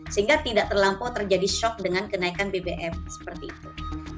sehingga tidak terlampau terjadi shock dengan kenaikan bbm seperti itu